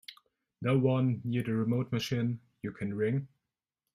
No one near the remote machine you could ring?